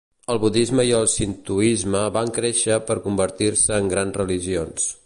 El budisme i el sintoisme van créixer per convertir-se en grans religions.